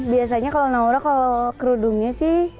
biasanya kalau naura kalau kerudungnya sih